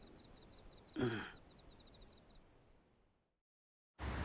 うん。